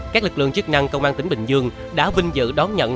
các lực lượng chức năng công an tỉnh bình dương đã vinh dự đón nhận